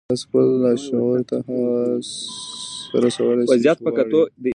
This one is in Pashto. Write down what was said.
تاسې خپل لاشعور ته هغه څه رسولای شئ چې غواړئ يې.